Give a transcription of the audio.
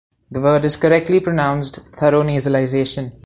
The word is correctly pronounced thorough nasalisation.